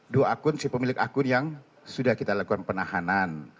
dua akun si pemilik akun yang sudah kita lakukan penahanan